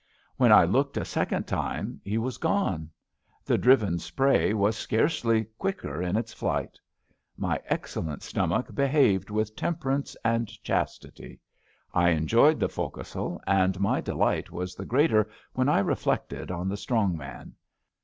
When I looked a second time he was gone. The driven spray was scarcely quicker in its flight. My excellent stomach be haved with temperance and chastity. I enjoyed the fo^c'sle, and my delight was the greater when I reflected on the strong man.